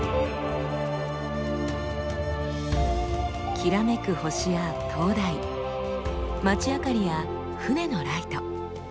きらめく星や灯台街明かりや船のライト。